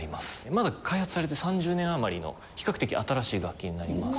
まだ開発されて３０年余りの比較的新しい楽器になります。